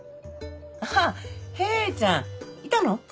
あっヘイちゃんいたの？